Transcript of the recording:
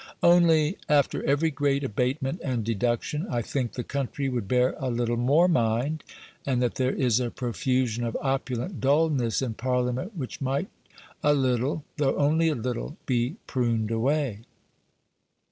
Only, after every great abatement and deduction, I think the country would bear a little more mind; and that there is a profusion of opulent dulness in Parliament which might a little though only a little be pruned away.